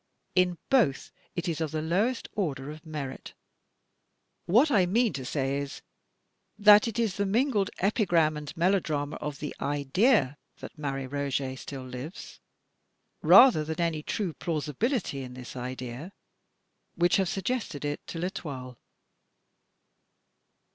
In both, it is of the lowest order of merit. " What I mean to say is, that it is the mingled epigram and melo drame of the idea that Marie Roget still lives, rather than any true plausibility in this idea, which have suggested it to L'Etoile."